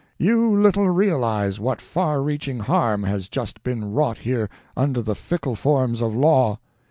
You little realize what far reaching harm has just been wrought here under the fickle forms of law.